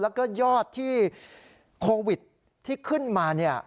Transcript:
แล้วก็ยอดที่โควิดที่ขึ้นมาเนี่ย